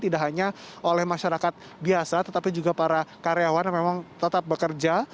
tidak hanya oleh masyarakat biasa tetapi juga para karyawan yang memang tetap bekerja